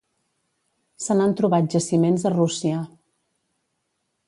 Se n'han trobat jaciments a Rússia.